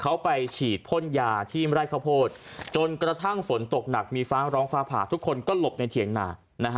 เขาไปฉีดพ่นยาที่ไร่ข้าวโพดจนกระทั่งฝนตกหนักมีฟ้าร้องฟ้าผ่าทุกคนก็หลบในเถียงนา